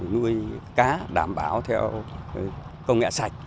ngươi cá đảm bảo theo công nghệ sạch